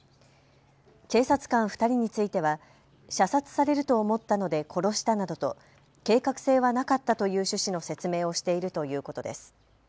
警察官２人については射殺されると思ったので殺したなどと計画性はなかったという趣旨の説明をしているということです。